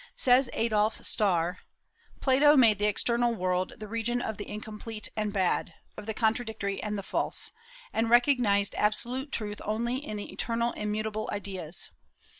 Says Adolph Stahr: "Plato made the external world the region of the incomplete and bad, of the contradictory and the false, and recognized absolute truth only in the eternal immutable ideas.